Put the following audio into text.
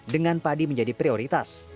dengan padi menjadi prioritas